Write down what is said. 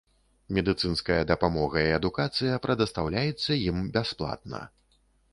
Медыцынская дапамога і адукацыя прадастаўляецца ім бясплатна.